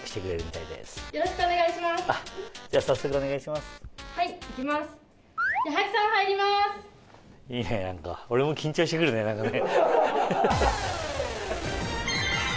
いいね何か俺も緊張して来るね何かね。